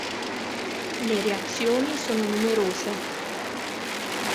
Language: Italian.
Le reazioni sono numerose.